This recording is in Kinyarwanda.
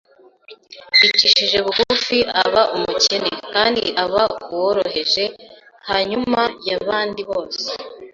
Yicishije bugufi aba umukene kandi aba uworoheje hanyuma y’abandi bose